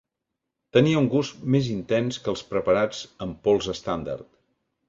Tenia un gust més intens que els preparats en pols estàndard.